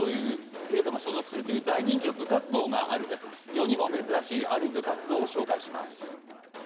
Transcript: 世にも珍しいある部活動を紹介します。